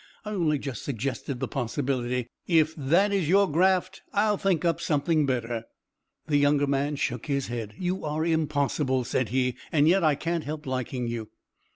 I only just suggested the possibility. If that is your graft, I'll think up something better." The younger man shook his head. "You are impossible," said he, "and yet I can't help liking you."